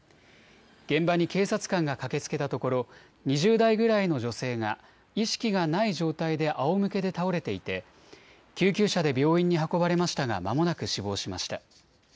現場に警察官が駆けつけたところ２０代くらいの女性が意識がない状態であおむけで倒れていて救急車で病院に運ばれましたがまもなく死亡しました。